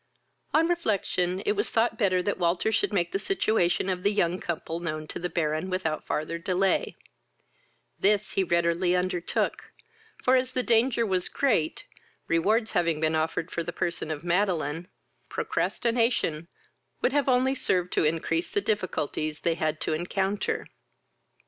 On refection, it was thought better that Walter should make the situation of the young couple known to the Baron without farther delay: this he readily undertook; for, as the danger was great, rewards having been offered for the person of Madeline, procrastination would have only served to increase the difficulties they had to encounter.